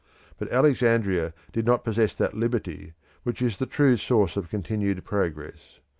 But Alexandria did not possess that liberty which is the true source of continued progress.